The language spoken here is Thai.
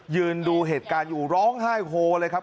ยืนดูเหตุการณ์อยู่ร้องไห้โฮเลยครับ